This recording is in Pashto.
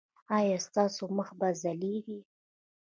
ایا ستاسو مخ به ځلیږي؟